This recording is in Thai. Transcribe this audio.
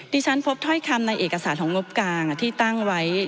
ที่ฉันพบถ้อยคำในเอกสารของงบกลางที่ตั้งไว้